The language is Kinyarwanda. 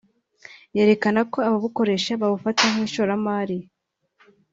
yerekana ko ababukoresha babufata nk’ishoramari